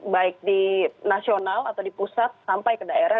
baik di nasional atau di pusat sampai ke daerah